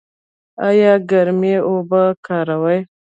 ایا ګرمې اوبه کاروئ؟